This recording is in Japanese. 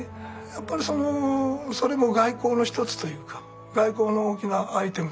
やっぱりそれも外交の一つというか外交の大きなアイテムというかね